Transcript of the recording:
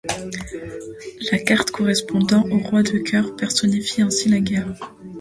La carte correspondant au roi de cœur personnifie ainsi la guerre.